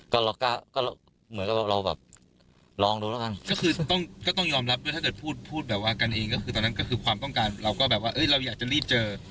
ก็คือต้องยอมรับด้วยถ้าเกิดพูดแบบว่ากันเองก็คือตอนนั้นคือความต้องการเราก็แบบว่าเอ๊ะเราอยากจะรีบเจอ